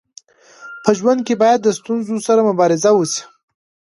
په ژوند کي باید د ستونزو سره مبارزه وسي.